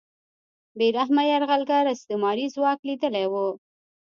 بې رحمه یرغلګر استعماري ځواک لیدلی و